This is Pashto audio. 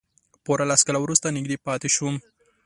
پوره لس کاله ورسره نږدې پاتې شوم.